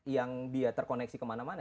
yang dia terkoneksi kemana mana